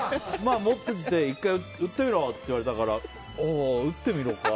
持って、１回打ってみろって言われたからああ打ってみろか。